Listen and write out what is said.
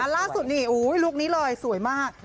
ล่าสุดนี่ลุคนี้เลยสวยมาก